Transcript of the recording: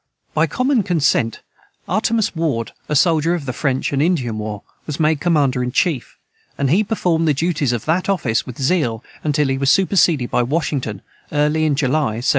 By common consent, Artemas Ward, a soldier of the French and Indian war, was made commander in chief, and he performed the duties of that office with zeal until he was superseded by Washington, early in July, 1775.